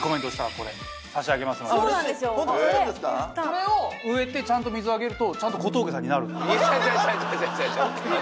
これを植えてちゃんと水をあげるとちゃんと小峠さんになるいや